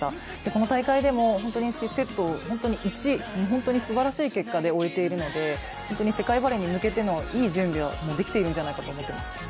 この大会でも、セット１というすばらしい結果で終えているので、世界バレーに向けてのいい準備ができているんじゃないかと思っています。